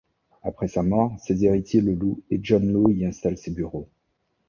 Après sa mort, ses héritiers le louent et John Law y installe ses bureaux.